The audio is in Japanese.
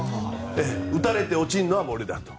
打たれて落ちるのは俺だと。